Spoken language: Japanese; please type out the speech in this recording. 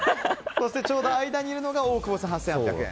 そして、ちょうど間にいるのが大久保さん、８８００円。